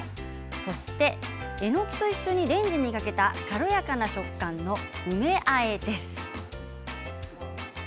そして、えのきと一緒にレンジにかけた軽やかな食感の梅あえです。